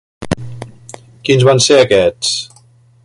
Quins van ser aquests?